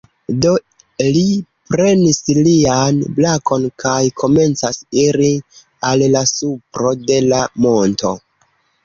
Do li prenis lian brakon kaj komencas iri al la supro de la monto.